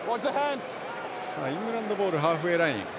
イングランドボールハーフウェーライン。